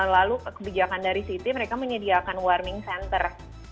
lalu kebijakan dari city mereka menyediakan warning center